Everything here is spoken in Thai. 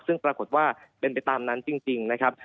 ซึ่งปรากฏว่าเป็นไปตามนั้นจริงนะครับ